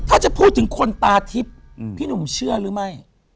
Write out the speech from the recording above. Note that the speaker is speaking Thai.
ถ้าจะพูดถึงคนตาทิพย์พี่หนุ่มเชื่อหรือไม่